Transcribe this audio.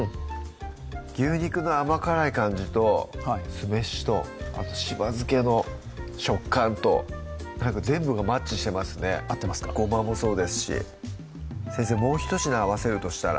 牛肉の甘辛い感じと酢飯とあとしば漬けの食感と全部がマッチしてますね合ってますかごまもそうですし先生もうひと品合わせるとしたら？